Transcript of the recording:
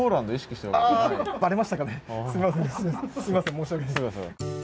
申し訳ない。